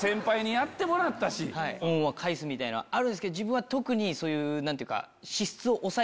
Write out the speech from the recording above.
恩は返すみたいなのあるんですけど自分は特にそういう。